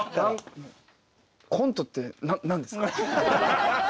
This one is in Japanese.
コントって何ですか？